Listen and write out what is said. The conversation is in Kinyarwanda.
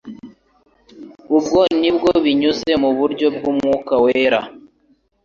Ubwo nibwo binyuze mu buryo bw'Umwuka wera